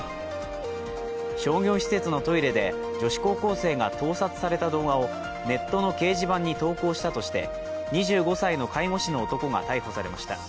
商業施設のトイレで女子高校生が盗撮された動画をネットの掲示板に投稿したとして、２５歳の介護士の男が逮捕されました。